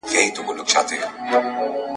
په تعویذ کي یو عجب خط وو لیکلی ..